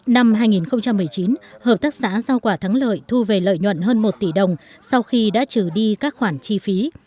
năm hai nghìn một mươi chín hợp tác xã giao quả thắng lợi thu về lợi nhuận hơn một tỷ đồng sau khi đã trừ đi các khoản chi phí